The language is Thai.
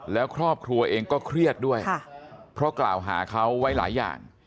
แล้วครอบครัวเองก็เครียดด้วยเพราะกล่าวหาเขาไว้หลายอย่าง